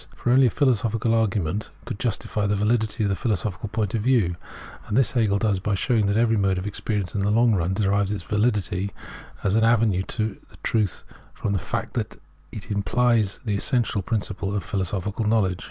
For only a philosophical argument could justify the validity of the philosophical point of view ; and th..s Hegel does by showing that every mode of experience in the long run derives its vahdity as an avenue to truth from the fact that it implies the essential principle of philosophical knowledge.